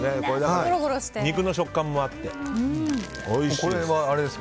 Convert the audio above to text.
肉の食感もあっておいしいです。